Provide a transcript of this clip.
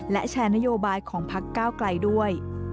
และแชร์นโยบายของพักก้าวไกลด้วย